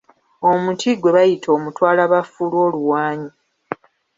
Omuti gwe bayita omutwalabafu lw'oluwaanyi.